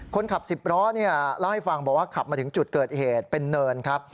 คนขับ๑๐ล้อเล่าให้ฟังบอกว่าขับมาถึงจุดเกิดเหตุเป็นเนินครับ